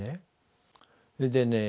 それでね